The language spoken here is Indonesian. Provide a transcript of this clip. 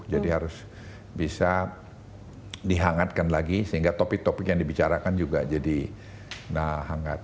jadi harus bisa dihangatkan lagi sehingga topik topik yang dibicarakan juga jadi hangat